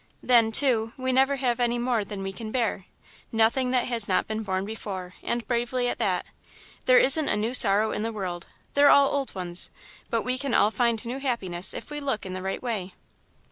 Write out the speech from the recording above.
"Then, too, we never have any more than we can bear nothing that has not been borne before, and bravely at that. There isn't a new sorrow in the world they're all old ones but we can all find new happiness if we look in the right way."